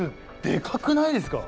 でかくないですか？